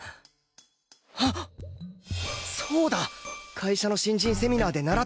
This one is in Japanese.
会社の新人セミナーで習った！